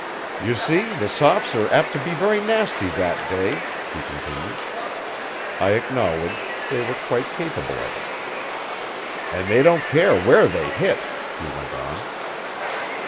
You see the Sophs are apt to be very nasty that day,' he continued. I acknowledged they were quite capable of it. 'And they don't care where they hit,' he went on.